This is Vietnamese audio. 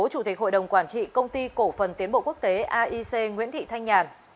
chủ tịch hội đồng quản trị công ty cổ phần tiến bộ quốc tế aic nguyễn thị thanh nhàn